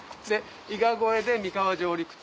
伊賀越えで三河上陸地。